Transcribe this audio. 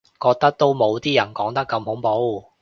覺得都冇啲人講得咁恐怖